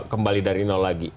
kembali dari nol lagi